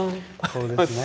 そうですね。